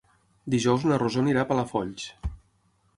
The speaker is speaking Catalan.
Dijous na Rosó anirà a Palafolls.